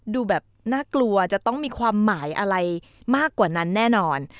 ดูแบบน่ากลัวจะต้องมีความหมายอะไรมากกว่านั้นแน่นอน